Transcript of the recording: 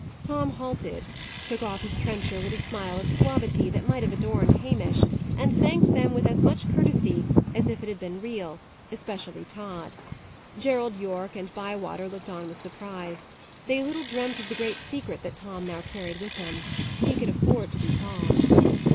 Tom halted; took off his trencher with a smile of suavity that might have adorned Hamish, and thanked them with as much courtesy as if it had been real, especially Tod. Gerald Yorke and Bywater looked on with surprise. They little dreamt of the great secret that Tom now carried within him. He could afford to be calm.